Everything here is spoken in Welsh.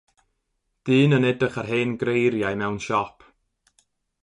Dyn yn edrych ar hen greiriau mewn siop.